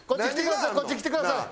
こっち来てください。